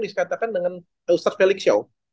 disatakan dengan ustaz felix yow